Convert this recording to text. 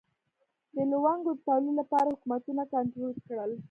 د لونګو د تولید لپاره حکومتونه کنټرول کړل.